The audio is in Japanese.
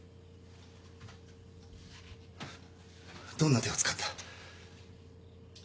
どんな手を使った？